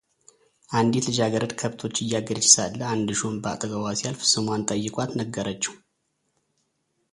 አንዲት ልጃገረድ ከብቶች እያገደች ሳለ አንድ ሹም በአጠገቧ ሲያልፍ ስሟን ጠይቋት ነገረችው፡፡